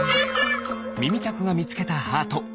みみたくがみつけたハート。